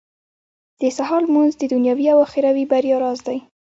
• د سهار لمونځ د دنيوي او اخروي بريا راز دی.